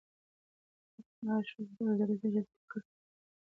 فقهاء ښځو ته د تدریس اجازه ورکړې ده.